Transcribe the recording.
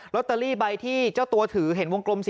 ลอตเตอรี่ใบที่เจ้าตัวถือ